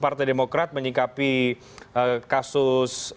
partai demokrat menyingkapi kasus